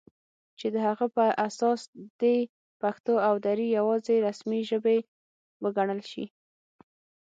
چې د هغه په اساس دې پښتو او دري یواځې رسمي ژبې وګڼل شي